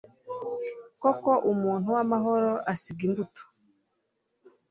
koko umuntu w’amahoro asiga imbuto